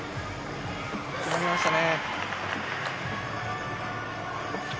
決まりましたね。